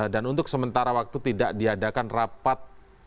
dan untuk sementara waktu tidak diadakan rapat